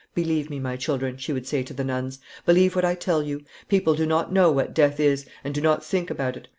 "Believe me, my children," she would say to the nuns, "believe what I tell you. People do not know what death is, and do not think about it.